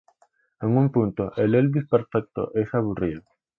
En un punto, el Elvis perfecto es aburrido.